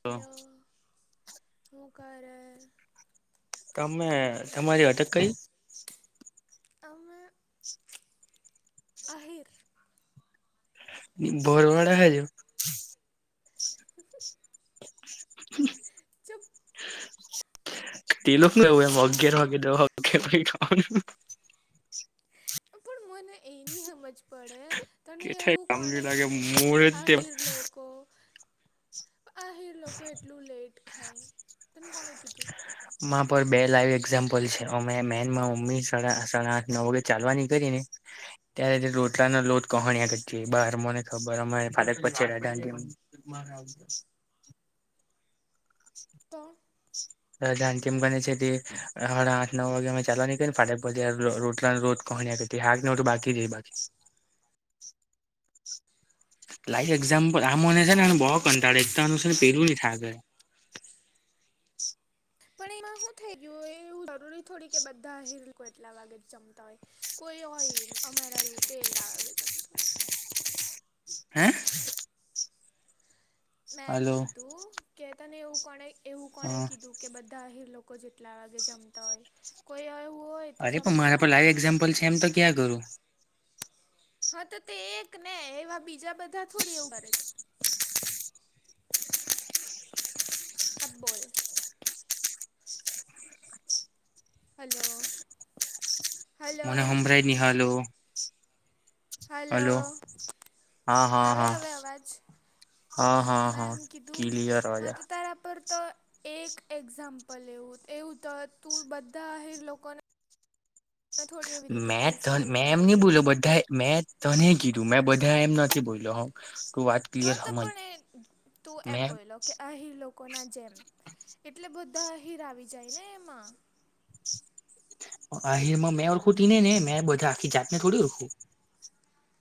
Hello હું કરે? તમે તમારી અટક કઈ અમે આહિર ભરવાડ ઓહે જો [inaudible] હ ચૂપ તે લોકો એવું એમ અગ્યાર સાલા વાગે [inaudible] પણ મને એની સમજ પડે તને એવું કોણે કામની લાગે કીધું કે મુ આહીર લોકો આહીર લોકો એટલું લેટ ખાય તન કોણે કીધું માં પર બે લાઈવ એક્ઝામ્પલ છે અમે મેનમાં મમ્મી સાડા સાડા આઠ નવ [inaudible] ચાલવા નીકળીએ ને ત્યારે તે રોટલાનો લો હમ કહન્યા બાર મને ખબર અમારે ફાટક પછી [inaudible] તો [inaudible] ધન કે એમ ગને છે હડા આઠ નવ વાગેમાં ચાલવાની ને ફાટક પડ રોટલા રો કોહણી તે હાક નેવું તો બાકી રેય બાકી [inaudible] [inaudible] લાઈવ એક્ઝામ્પલ આ મને છે તો ને બો તો હું કંટાળે એકતાનું છે ને પેલું નહી થા પણ એમાં હું થઈ ગયું એવ જરૂરી થોડી કે બધા આહિર લોકો એટલા વાગે જ જમતા હોય કોઈ હોય અમારા રુંતેલ લાવે છે હે મેં એમ હલો કીધું કે તને એવું કોને એવું હ કોણે કીધું કે બદ ધા આહીર લોકો જેટલા વાગે જમતા હોય કોઈ આયવુ હોય. તે અરે પણ જમતું મારા પર લાઈવ અહે એક્ઝામ્પલ છે એમ તો કેયા કરું હા તો તે એક ને એવા બીજા બધા થોડી એવું કરે છે. અબ બોલ હલો. હલો મને હમ્બરાય ની હાલો હલો હા હા આવે હા હવે અવાજ હા હા મેં હા હું કીધું ક્લિયર અવાજ હા આવે. તો તારા પર તો એક એક્ઝામ્પલ એવું એવું તો તું બધા અર લોકોન મે કહી શકે કે મેં એમ ભાગો નહી બોલો જેવું રીતે બધા મે,, તોને કીધું મેં બધા એમ નથી બોલ્યો હઉ તું વાત. ક્લિયર હા તો સમજ પણ એ તું મેં એમબોયલો. કે અહી લોકો ના જેમ એટલે બધા અહીર આવી જાય ને એમાં. આહિર માં મેં ઓળખું તી ને ને મેં બધા આખી જાતને થોડી ઓળખું.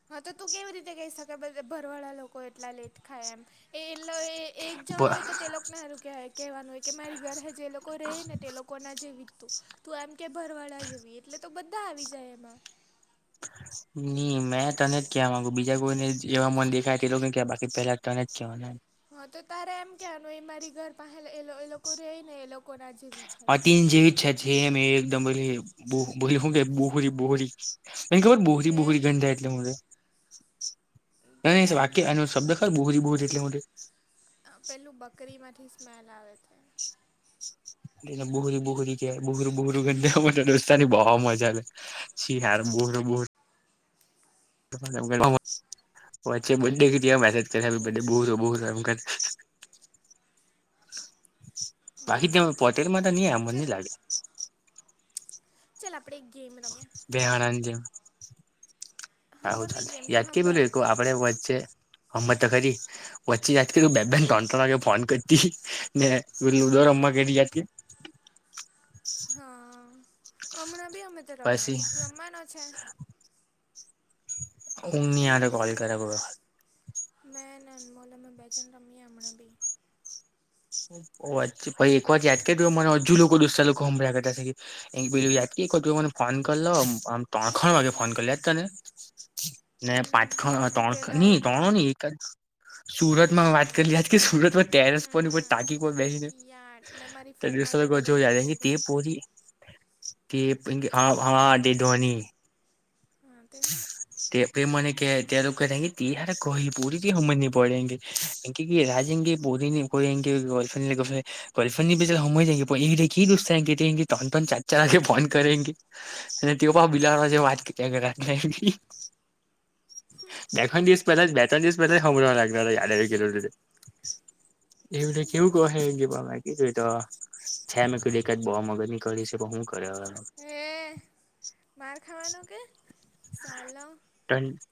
હા તો તું કેવી રીતે કહી શકધ ભરવાળા લોકો એટલા લેટ ખાય એમ એ એલે એ. એક જણો હોય તો તે લોકોનેું કહેવાય કહેવાનું હોય કે મારી ઘરે જે લોકો રહે ને તે લોકોના જે વિતતું તું એમ કે ભરવાડા જવી એટલે તો બધા આવી જાય એમાં નહ મેં તને જ કયા માંગુ બીજા કોઈને એવા મન દેખાય તે તો ક ક બાકી પહેલા તને જ કે મ હા તો તારેા એમ કહેવાનું એ મારી ઘર પાસેલા એ એ લોકો રહી ને એ લોકોના જેવી છત તીન જેવીછા છે મેં એકદમ બોલી બોલી હ કે બુરી બુરી બોહરી એ બોહરી ગંધા એટલે મરે. ના પેલા વાક્ય એનો શબ્દ ખર બહુ જ બહુ જ એટલે. પેલું બકરી માંથી સ્મેલ આવે છે. એને બુહરી બુહરી ક બુર બુહરું ગ મને રોસ્તાની બહ મજા લેઔ. શીયાર બોર બોર વચ્ચે બે મેસેજ કર બે હમ હમ બહુો બહુ એમ. બાકી વાહ ત પોટેલમાં નહી આમને ન ચલ લાગે. ચાલ આપણેે ગેમ રમીએ બેહણાજ હાંભર આવહું નહીં ચાલે ગેમ તો યાદ કે બોલે હાંભર તો આપડ વચ્ચે હમત કરી વચ્ચે તતી બે બેન ટોટ વાગે ફોન કરતી નેું દોર રમવા કે ત હા હમણાં બી અમે તો રમીએ પછી તું રમવાનો છે. ઊંઘ ની હારે હમણાં બી કોલ અમે કરે મેને અનમોલમાં બેજન રમીએ હમણાં બી વાત ભાઈ એક વાર યાદ કર મા હજુ લોકો દોસ્ લોકો હભળ કરતા એ બ ત ક મને ફોન કરલમ તો આખણ વાગે ફોન કરલ જ કરીને. ને પાંચ હમ ખણ તું ગયેલો ત્રણ નહી આવતો ત્રણ નહી એક સુરતમાં વાત કરી લજ કે સુરત ટેરસ ની કોઈ હમ ટાકી કોઈ બેસીને યાર મેં મારી ફ્રેન્ડના ઘરે રહેતી હતી ત્યારે જો પરી કે હા ડે ધવની હા તે હું [unintelligible] તે મને ક તાર કે તાર ક પૂરીથી સમજની પડેે. કે રાજેંગે બહુ દ કો એંગેફડ કોફ હોય જ રુસ્ તન પણન ચાર ચારા ફોન કરેગે. અને તેઓ પણ બિલાડા જે વાત કર્યા કર બેખણ દિવસ પહેલા બે ત્રણ દિવસ પહેલા સમભુંરાવા લાગના દ ગ એવ કે એવું બરાબર કહે છે કેવા ીઈ તો છે મેં ક દે કાદ બહુ મગજ ની કરી છે પણ શું કર્યો હે બાર ખાવાનું કે સહ ટંડ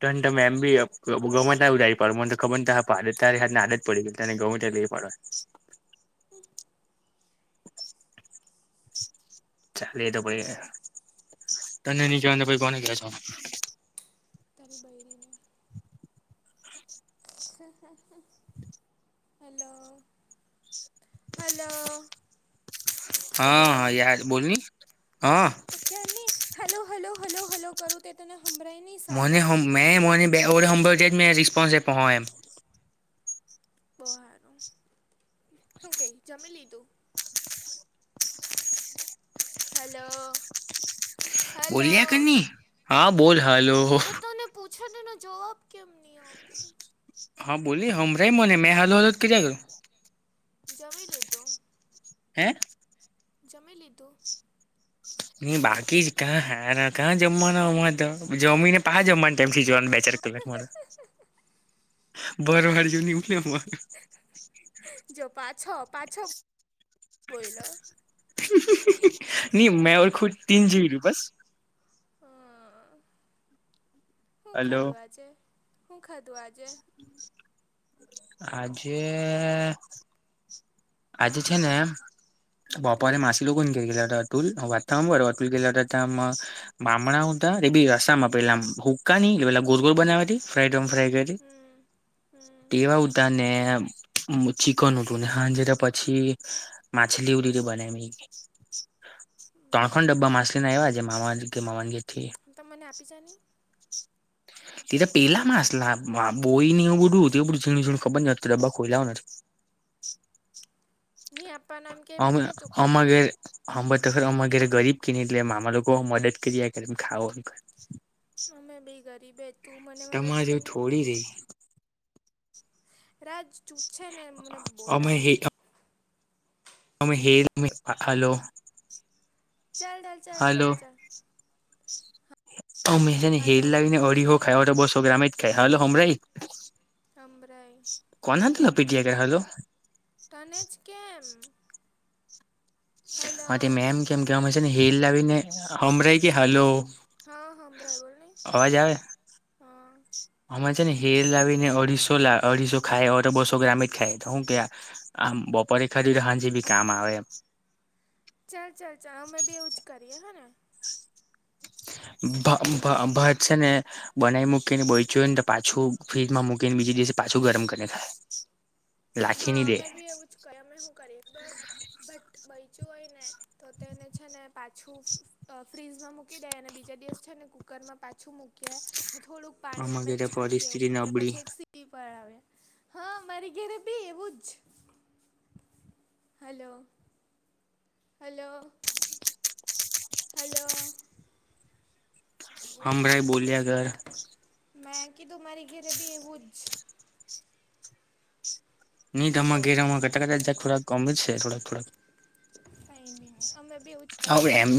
ટંડ મે એમ બી ગમતા ઉધાય પણ મને ખબર ન આદ આદત પડી ગ તને ગઉ ત લ એ પડય [inaudible] ચાલે તો પાઈ તને નઈ કહેવા પ કોને ક છો તારી બહેરીની હા હા હા. હલો. હલો. હા હલો હા યાર બોલની. હા તો કાર નહી હલો હલો હલો હલો કરું તે તને હંભળઈને મને હોમ મે મોને મેં હોમભડજે રિસ્પોન્સ આપો એમ. બો હારો. હું કઈ જમી લીધું? હાલો. બોલ્યા કરની, હા બોલ હાલો. પૂછું તેનો જવાબ કેમ ની આપે? હા બોલની હમરાય મને મેં હાલો હાલો કર્યા કર્યું. જમી લીધું? હે? જમી લીધુ? ની બાકી જ કા હારા કા જમવાના? તો તે જમીન પાહ જમવાનું તામ થઈ જોવાનું ને બે ચાર તું કલાક મા. ભરહર [unintelligible] જો પાછો પાછો બોયલો. ની મેં ઓર સાલો ખુદ તીન જીવી રું બસ. હા, હું હલો ખાધું આજે? હું ખાધું આજે? આજે આજે છે ને બકરી બપોરે માછ [unintelligible] વાત તો હાંભર [unintelligible] બામણા હુતા એ બી રસા માં પેલા હુક્કા ની પેલા ગોરગોર બનાવી તે ફ્રાયોમ ફ્રાય કરી હતી. હમ હમ તેવા હુતાને એમ. ચિકન હુતુ ને હાજે તો પછી માછલી વડી રે બને ની. ત્રણ ખન ડબ્બા બરાબર માછલી ના આયવા છે મામ ન કે માવાનગયા થી. તો મને આપી જા ની. હ તે તો પેહલા માસલા બોઈ ને એવું બું એ બધું ઝીણ ઝણ ખબર ન ડબ્બા ખોઈલા નથી. ની આપપા નામ કે અમે મૂકની ચોખ્ખું અમાં ગેર હાંભર તો ખરી અમાર ઘેર ગરીબ કે ની એટલે મામ અમારે લોકો મદદ કરી ખાવો. મેં બી ગરીબ હે, તું મને મદદ તમારે એવું કરની. થોડી રહી રાજ ચૂપ છે ને મને અમે બોલાવ હે ની. અમે હેરની હાલો. ચાલ ડલ ચાલ ચાલ ચાલ. અમેને હલો હેર લાવીને અઢી હો ખા તો બસો ગ્રમે જ ખાય, હાલો હભરાઈ? હમરાઈ. કોણ હતી [unintelligible] હાલો. તનેજ કેમ. હલો હા તે મેમ કેમ અમે છે ને હેલ લાવી ને હમભરાઈ કે હાલો હા હંભરાય બોલને અવાજ આવે? હા. અમે છે ને હેર લાવીને અઢીસો લા અઢીસો ખાય હવે તો બસો ગ્રામ જ ખાય તો હું ક્યાં આમ બપોરે ખાધુ તો હાંઝે બી કામ આવે એમ. ચાલ ચાલ ચાલ અમે બી એવું જ કરીએ હે ને? ભ ભ ભાત છે ને બનાઈ મૂકીને બયચું ને તો પાછું ફ્રીજમાં મૂકીને બીજે દિવસે પાછું ગરમ કરીને ખાય. લાખી હા ની દે અમે બી એવું જ કરીએ અમે હુ કરીએ ખબર? બટ બયચું હોય ને તો તેને છે ને પાછું ફ ફ્રીઝમાં મૂક મૂકી દે અને બીજા દિવસ છે ને કુકરમાં પાછું મૂકીએ, ને થોડુંક પાણી આમાં અમે ઘેરે છાંટી આવ, પરિસ્થિતિ અને નબળી પછી એક સી ટી પણ આવે. હા મારી ઘેરે ભી એવું જ. હલો. હલો. હલો. હંભળાય બોલ્યા કર. મેં કીધું મારી ઘેરે બી એવું જ. ની તો અમાર જેવું ઘેરા માં [inaudible] જ થોડા કમ જ છે થોડાક-થોડાક. કંઈ ની, અમે બી એવું જ કરીએ, ભાત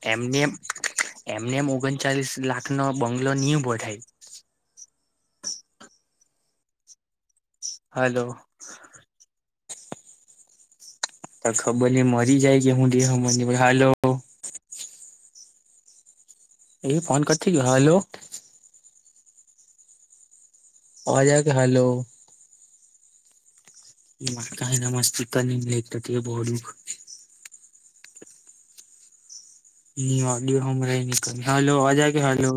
એમનેમ, એમનેમ ઓગણચાલીસ લાખનો બંગલો ની ઊભો થાય. હલો. તો ખબર ની મરી જાય છે કે હું છે તે હમજ ની પડ, હાલો. એ ફોન કટ થયો ગયો, હલો. અવાજ આવે કે, હલો? [unintelligible] [unintelligible] હંભળાય ની કંઈ, હલો અવાજ આવે કે હલો?